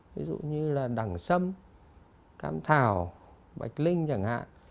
ví dụ như là đẳng sâm cam thảo bạch linh chẳng hạn